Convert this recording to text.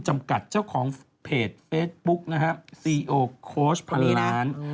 จำกัดเจ้าของเพจเฟซบุ๊กซีโอโค้ชพันล้าน